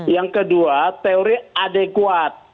yang kedua teori adekuat